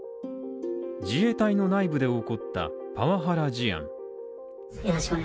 自衛隊の内部で起こったパワハラ事案。